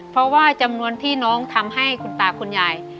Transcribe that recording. เพราะว่าจำนวนที่น้องทำให้คุณตาคุณยาย